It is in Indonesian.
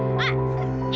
gimana mau hujan lagi